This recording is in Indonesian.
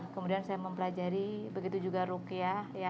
kemudian saya mempelajari begitu juga rukiah